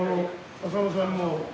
浅野さんも。